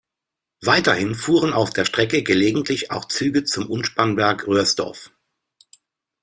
Weiterhin fuhren auf der Strecke gelegentlich auch Züge zum Umspannwerk Röhrsdorf.